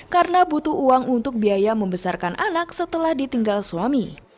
karena butuh uang untuk biaya membesarkan anak setelah ditinggal suami